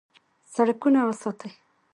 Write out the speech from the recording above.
سړکونه وساتئ